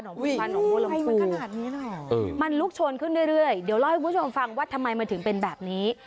มันลุกชนขึ้นเรื่อยเดี๋ยวเล่าให้คุณผู้ชมฟังว่าทำไมมันถึงเป็นแบบนี้